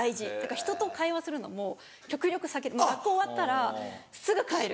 ひとと会話するのも極力避けて学校終わったらすぐ帰る。